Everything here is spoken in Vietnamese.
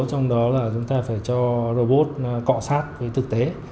trong đó là chúng ta phải cho robot cọ sát với thực tế